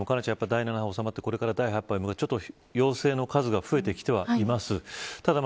第７波がおさまってこれから第８波陽性の数が増えてきています。